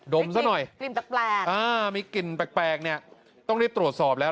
ดมซะหน่อยมีกลิ่นแปลกนี่ต้องรีบตรวจสอบแล้ว